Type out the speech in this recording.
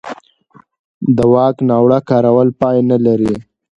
د واک ناوړه کارول پای نه لري